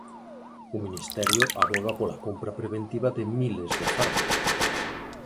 O Ministerio avoga pola compra preventiva de miles de fármacos.